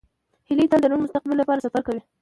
هیلۍ تل د روڼ مستقبل لپاره سفر کوي